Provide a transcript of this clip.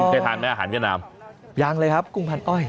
เคยทานแม่อาหารกับน้ำยังเลยครับกุ้งพันอ้อย